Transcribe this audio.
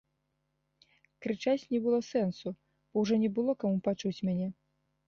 Крычаць не было сэнсу, бо ўжо не было каму пачуць мяне.